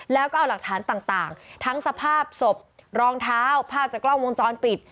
แล้วก็เอาหลักฐานต่างทั้งสภาพศพรองเท้าภาพจากกล้องวงจรปิด